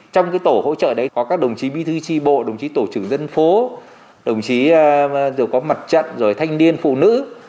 trong cái tổ hỗ trợ đấy có các đồng chí bi thư tri bộ đồng chí tổ trưởng dân phố đồng chí rồi có mặt trận rồi thanh niên phụ nữ